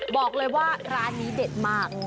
บอกเลยว่าร้านนี้เด็ดมาก